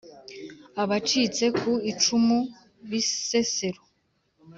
Abacitse ku icumu Bisesero